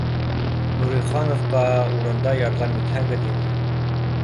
— Нурихановҡа урында ярҙам итһәгеҙ ине